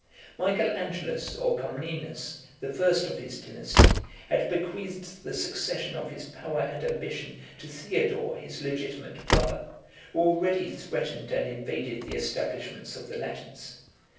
Michael Angelus, or Comnenus, the first of his dynasty, had bequeathed the succession of his power and ambition to Theodore, his legitimate brother, who already threatened and invaded the establishments of the Latins.